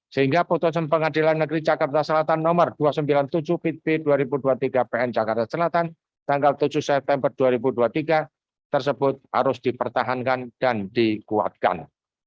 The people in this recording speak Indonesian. sehingga putusan pengadilan negeri jakarta selatan nomor dua ratus sembilan puluh tujuh pit b dua ribu dua puluh tiga pn jakarta selatan tanggal tujuh september dua ribu dua puluh tiga tersebut harus dipertahankan dan dikuatkan